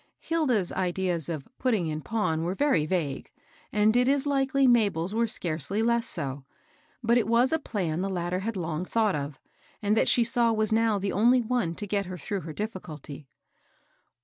Hilda's ideas of " putting in pawn " were veiy vague, and it is likely Mabel's were scarcely less so ; but it was a plan the latter had long thought of, and that she saw was now the only one to get her through her diflBculty.